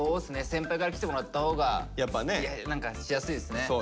先輩から来てもらったほうが何かしやすいっすね。